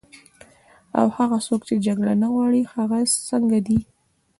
او هغه څوک چې جګړه نه غواړي، هغه څنګه دي؟